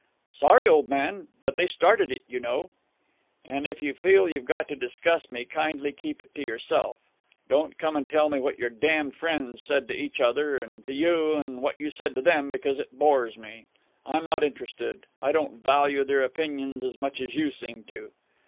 "Sorry, old man. But they started it, you know." "And, if you feel you've got to discuss me, kindly keep it to yourself. Don't come and tell me what your damned friends said to each other and to you and what you said to them, because it bores me. I'm not interested. I don't value their opinions as much as you seem to."